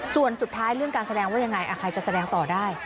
ส่วนสุดท้ายเรื่องการแสดงว่ายังไงใครจะแสดงต่อได้